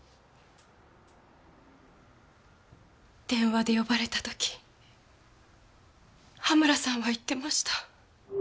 電話で呼ばれた時羽村さんは言ってました。